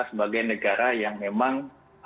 sebagai negara yang memang